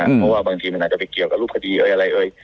เพราะว่าบางทีมันอาจจะไปเกี่ยวกับรูปคดีเอ้ยอะไรเอ่ย